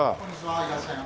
いらっしゃいませ。